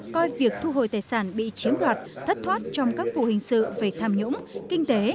coi việc thu hồi tài sản bị chiếm đoạt thất thoát trong các vụ hình sự về tham nhũng kinh tế